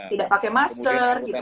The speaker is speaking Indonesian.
tidak pakai masker gitu